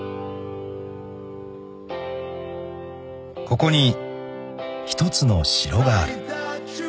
［ここに一つの城がある］